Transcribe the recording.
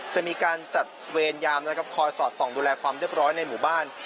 จะมีการจัดเวรยามนะครับคอยสอดส่องดูแลความเรียบร้อยในหมู่บ้าน